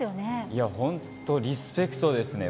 いや、本当リスペクトですね。